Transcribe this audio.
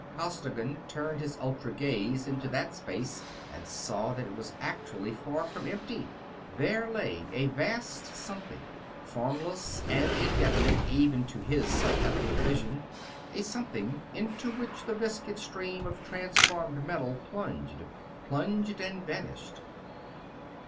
Costigan turned his ultra gaze into that space and saw that it was actually far from empty. There lay a vast something, formless and indefinite even to his sub etheral vision; a something into which the viscid stream of transformed metal plunged. Plunged and vanished.